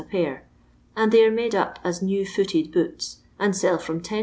a pair, and they are made up as new footed boots, and sell from 10«.